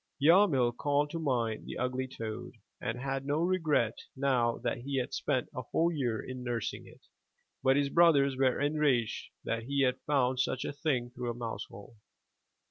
Yarmil called to mind the ugly toad, and had no regret now that he had spent a whole year in nursing it; but his brothers were enraged that he had found such a thing through a mousehole.